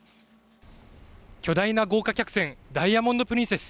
巨大な豪華客船ダイヤモンド・プリンセス